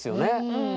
うん。